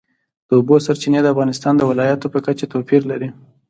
د اوبو سرچینې د افغانستان د ولایاتو په کچه توپیر لري.